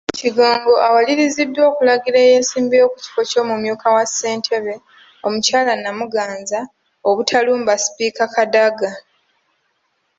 Kigongo, awaliriziddwa okulagira eyeesimbyewo ku kifo ky’omumyuka wa ssentebe omukyala Namuganza obutalumba Sipiika Kadaga.